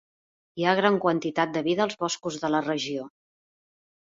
Hi ha gran quantitat de vida als boscos de la regió.